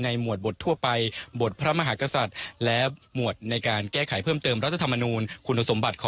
หมวดบททั่วไปบทพระมหากษัตริย์และหมวดในการแก้ไขเพิ่มเติมรัฐธรรมนูลคุณสมบัติของ